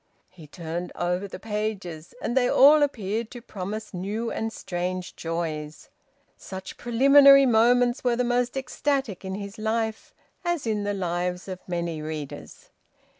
He turned over the pages, and they all appeared to promise new and strange joys. Such preliminary moments were the most ecstatic in his life, as in the lives of many readers.